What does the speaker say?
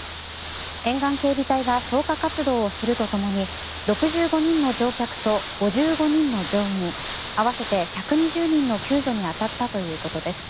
沿岸警備隊が消火活動をするとともに６５人の乗客と５５人の乗員合わせて１２０人の救助に当たったということです。